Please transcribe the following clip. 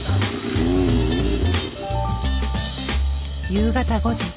夕方５時。